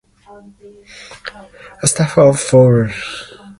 A staff of four works from office accommodations at the Glasgow Maccabi complex.